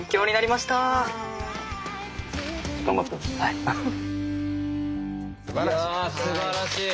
いやすばらしい。